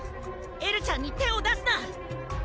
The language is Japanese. エルちゃんに手を出すな！